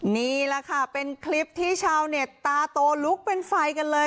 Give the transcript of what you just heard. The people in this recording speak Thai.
นี่แหละค่ะเป็นคลิปที่ชาวเน็ตตาโตลุกเป็นไฟกันเลย